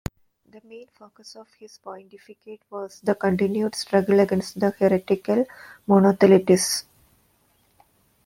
The main focus of his pontificate was the continued struggle against the heretical Monothelites.